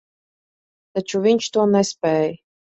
Taču viņš to nespēj.